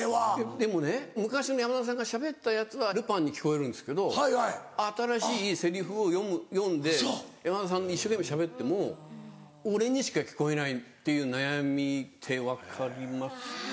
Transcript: でもね昔の山田さんがしゃべったやつはルパンに聞こえるんですけど新しいセリフを読んで山田さんで一生懸命しゃべっても俺にしか聞こえないっていう悩みって分かりますか？